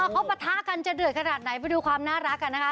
เขาปะทะกันจะเดือดขนาดไหนไปดูความน่ารักกันนะคะ